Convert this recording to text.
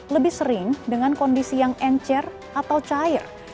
lebih sering dengan kondisi yang encer atau cair